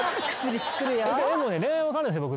でも恋愛は分かんないですけど